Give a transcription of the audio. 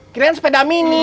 kirain sepeda mini